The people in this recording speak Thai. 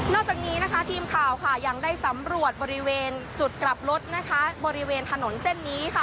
นอกจากนี้ทีมข่าวยังได้สำรวจบริเวณจุดกลับรถบริเวณถนนเต้นนี้